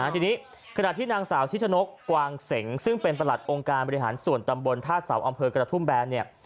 ทีนี้ขณะที่นางสาวชิชนกกวางเสงซึ่งเป็นประหลัดองค์การบริหารส่วนตำบลท่าเสาอำเภอกระทุ่มแบนเนี่ย